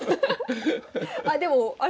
あでもあれ？